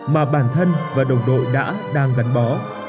mà bản thân và đồng đội đã đang gắn bó